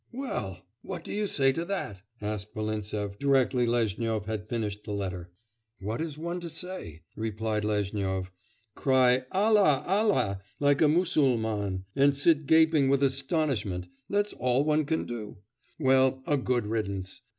'Well, what do you say to that?' asked Volintsev, directly Lezhnyov had finished the letter. 'What is one to say?' replied Lezhnyov, 'Cry "Allah! Allah!" like a Mussulman and sit gaping with astonishment that's all one can do.... Well, a good riddance!